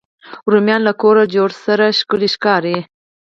رومیان له کور جوړو سره ښکلي ښکاري